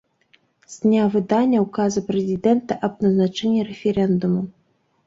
З дня выдання ўказа Прэзідэнта аб назначэнні рэферэндуму.